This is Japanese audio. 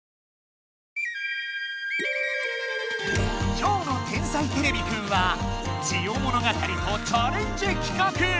今日の「天才てれびくん」はジオ物語とチャレンジ企画！